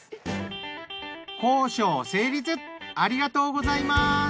ありがとうございます。